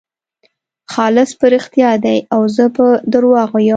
خالص په رښتیا دی او زه په درواغو یم.